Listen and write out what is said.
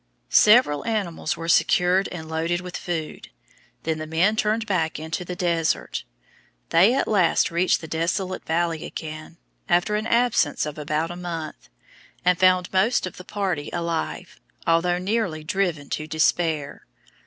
Several animals were secured and loaded with food. Then the men turned back into the desert. They at last reached the desolate valley again, after an absence of about a month, and found most of the party alive, although nearly driven to despair.